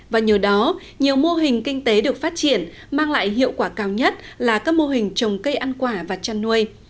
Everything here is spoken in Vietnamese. và nhờ đó nhiều mô hình kinh tế được phát triển mang lại hiệu quả cao nhất là các mô hình trồng cây ăn quả và chăn nuôi